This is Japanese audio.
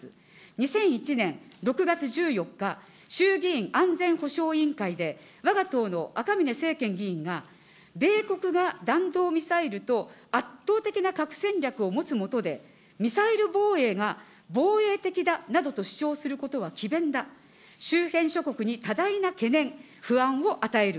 ２００１年６月１４日、衆議院安全保障委員会で、わが党の赤嶺政賢議員が、米国が弾道ミサイルと圧倒的な核戦略を持つ下で、ミサイル防衛が防衛的だなどと主張することは詭弁だ、周辺諸国に多大な懸念、不安を与える。